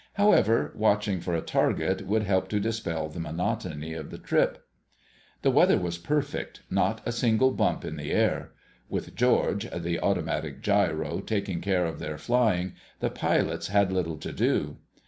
However, watching for a target would help to dispel the monotony of the trip. The weather was perfect—not a single bump in the air. With "George," the automatic gyro, taking care of their flying, the pilots had little to do.